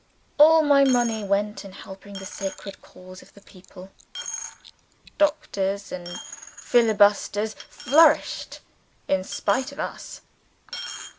All my money went in helping the sacred cause of the people. Dictators and filibusters flourished in spite of us.